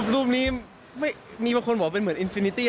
รูปนี้ไม่มีบางคนบอกว่าเป็นเหมือนอินฟินิตี้